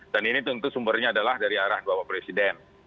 dan ini tentu sumbernya adalah dari arah bapak presiden